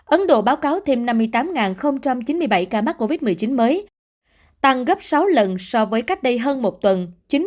ấn độ báo cáo thêm năm mươi tám chín mươi bảy ca mắc covid một mươi chín mới tăng gấp sáu lần so với cách đây hơn một tuần